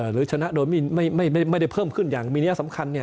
หรือชนะโดยไม่ได้เพิ่มขึ้นอย่างมีนัยสำคัญ